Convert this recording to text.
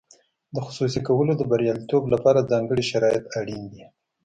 د خصوصي کولو د بریالیتوب لپاره ځانګړي شرایط اړین دي.